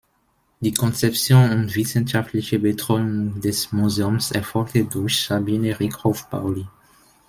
Die Konzeption und wissenschaftliche Betreuung des Museums erfolgte durch Sabine Rieckhoff-Pauli.